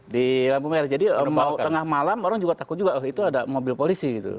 di lampu merah jadi mau tengah malam orang juga takut juga oh itu ada mobil polisi gitu